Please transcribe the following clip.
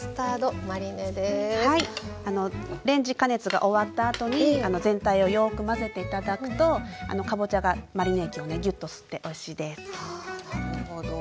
レンジ加熱が終わったあとに全体をよく混ぜて頂くとかぼちゃがマリネ液をねぎゅっと吸っておいしいです。はなるほど。